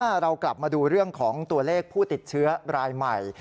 เรากลับมาดูเรื่องของตัวเลขผู้ติดเชื้อรายใหม่